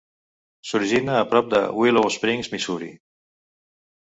S'origina a prop de Willow Springs, Missouri.